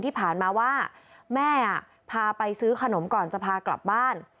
ที่ผ่านมาว่าแม่พาไปซื้อขนมก่อนจะพากลับบ้าน